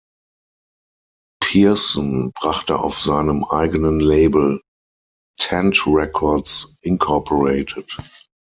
Pearson brachte auf seinem eigenen Label Tent Records Inc.